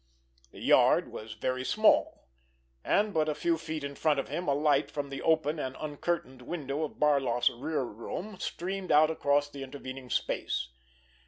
The yard was very small, and, but a few feet in front of him, a light from the open and uncurtained window of Barloff's rear room streamed out across the intervening space.